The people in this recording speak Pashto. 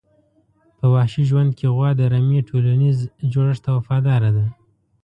په وحشي ژوند کې غوا د رمي ټولنیز جوړښت ته وفاداره ده.